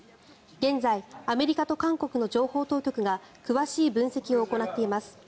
現在、アメリカと韓国の情報当局が詳しい分析を行っています。